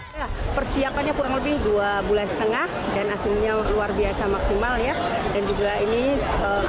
ya persiapannya kurang lebih dua bulan setengah dan aslinya luar biasa maksimal ya